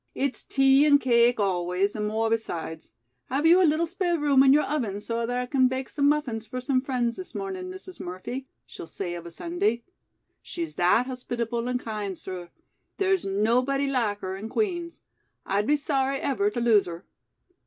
It's tea and cake always and more besides. 'Have you a little spare room in your oven so that I can bake some muffins for some friends this mornin', Mrs. Murphy?' she'll say of a Sunday. She's that hospitable and kind, sir. There's nobody like her in Queen's. I'd be sorry ever to lose her."